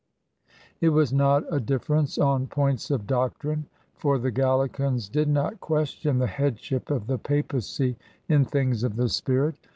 It was not a difference on points of doctrine, for the Gallicans did not question the headship of the Papacy in things of the spirit.